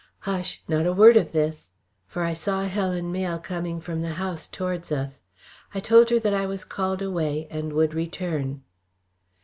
Hush! not a word of this!" for I saw Helen Mayle coming from the house towards us. I told her that I was called away, and would return.